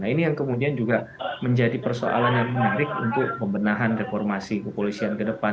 nah ini yang kemudian juga menjadi persoalan yang menarik untuk pembenahan reformasi kepolisian ke depan